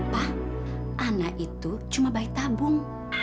pa anah itu cuma bayi tabung